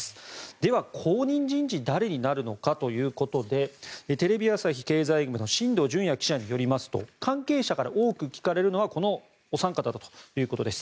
では、後任人事誰になるのかということでテレビ朝日経済部の進藤潤耶記者によりますと関係者から多く聞かれるのはこのお三方だということです。